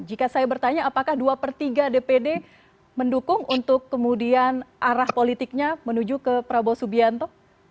jika saya bertanya apakah dua per tiga dpd mendukung untuk kemudian arah politiknya menuju ke prabowo subianto